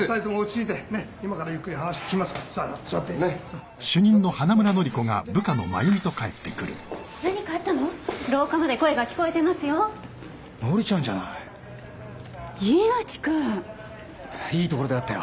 いいところで会ったよ。